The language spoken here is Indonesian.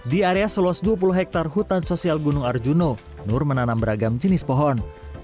di area seluas dua puluh hektare hutan sosial gunung arjuna nur menanam beragam jenis pohon